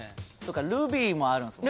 ルビーもあるんすね。